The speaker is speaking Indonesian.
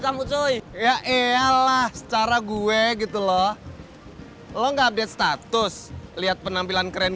kamu cay ya eyalah secara gue gitu loh lo nggak update status lihat penampilan keren